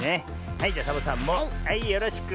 はいじゃサボさんもはいよろしく。